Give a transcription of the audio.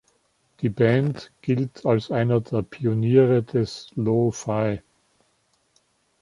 Die Band gilt als einer der Pioniere des Lo-Fi.